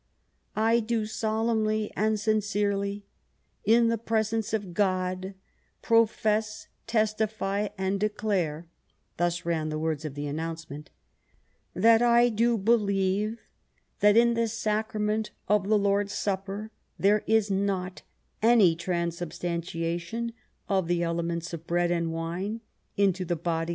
" I do solemnly and sincerely, in the presence of God, profess, testify, and declare "— ^thus ran the words of the announcement —" that I do believe that in the Sacrament of the Lord's Supper there is not any tran substantiation of the elements of bread and wine into the body.